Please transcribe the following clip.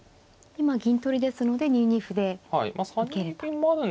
今銀取りですので２二歩で受けると。